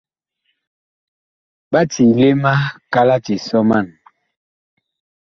Ɓa ciile ma kalati sɔman.